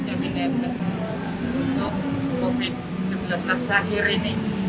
definition untuk covid sembilan belas akhir ini